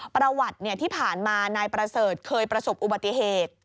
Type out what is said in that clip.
ประวัติที่ผ่านมานายประเสริฐเคยประสบอุบัติเหตุ